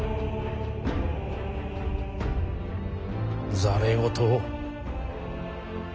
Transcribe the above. ざれ言を。